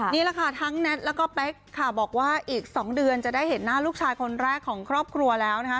นี่แหละค่ะทั้งแท็ตแล้วก็เป๊กค่ะบอกว่าอีก๒เดือนจะได้เห็นหน้าลูกชายคนแรกของครอบครัวแล้วนะคะ